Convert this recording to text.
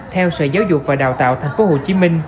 theo sở giáo dục và đào tạo tp hcm